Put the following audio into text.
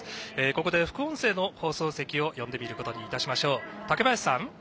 ここで副音声の放送席を呼んでみることにしましょう。